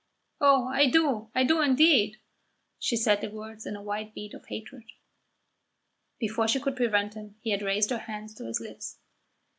"Oh, I do, I do indeed!" She said the words in a white heat of hatred. Before she could prevent him he had raised her hand to his lips.